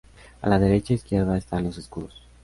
A la derecha e izquierda están los escudos.